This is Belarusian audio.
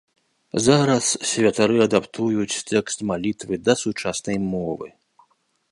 Зараз святары адаптуюць тэкст малітвы да сучаснай мовы.